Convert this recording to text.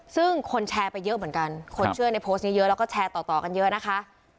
ซึ่งคนแชร์ไปเยอะเหมือนกันคนเชื่อในโพสต์นี้เยอะแล้วก็แชร์ต่อกันเยอะนะคะ